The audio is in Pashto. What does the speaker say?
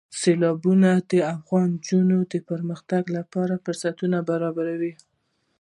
سیلابونه د افغان نجونو د پرمختګ لپاره فرصتونه برابروي.